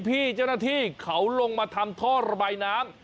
พี่เจ้าหน้าที่เขาลงมาทำท่อระบายน้ำ